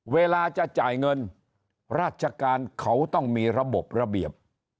เวลาจะจ่ายเงินราชการเขาต้องมีระบบระเบียบ